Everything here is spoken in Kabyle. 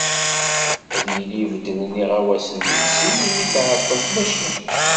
Ad yili beddlen iɣawasen-nsen imi tεeṭṭel tmacint.